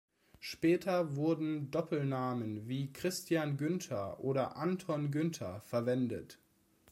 Später wurden Doppelnamen wie Christian Günther oder Anton Günther verwendet.